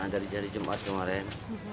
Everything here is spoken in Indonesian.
dari hari jumat kemarin